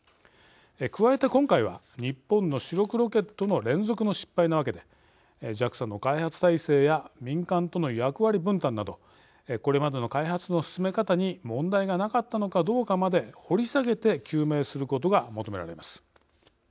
加えて今回は日本の主力ロケットの連続の失敗なわけでＪＡＸＡの開発体制や民間との役割分担などこれまでの開発の進め方に問題がなかったのかどうかまで掘り下げて究明することが求められます。